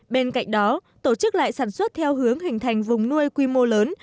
bên cạnh đó tổ chức lại sản xuất theo hướng hình thành vùng nuôi quy mô lớn